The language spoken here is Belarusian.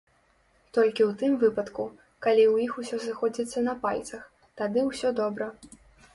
Толькі ў тым выпадку, калі ў іх усё сыходзіцца на пальцах, тады ўсё добра!